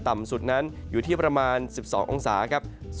ต่ำสุดนั้นอยู่ที่ประมาณ๑๒องศาครับ